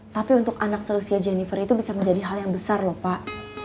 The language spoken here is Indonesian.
tapi untuk anak selusia jennifer itu bisa menjadi hal yang besar lho pak